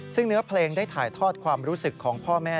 ซึ่งเนื้อเพลงได้ถ่ายทอดความรู้สึกของพ่อแม่